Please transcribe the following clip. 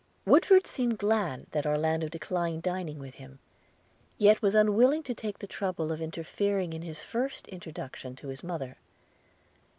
Woodford seemed glad that Orlando declined dining with him, yet was unwilling to take the trouble of interfering in his first introduction to his mother.